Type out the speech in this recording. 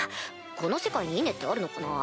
この世界に稲ってあるのかな？